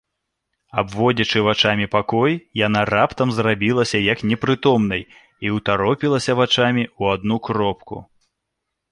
Абводзячы вачамі пакой, яна раптам зрабілася як непрытомнай і ўтаропілася вачамі ў адну кропку.